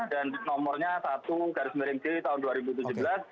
dan nomornya satu garis merenggiri tahun dua ribu tujuh belas